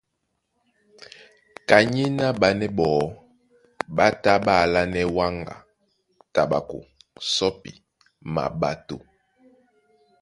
Kanyéná ɓánɛ́ ɓɔɔ́ ɓá tá ɓá alánɛ́ wáŋga, taɓako, sɔ́pi, maɓato.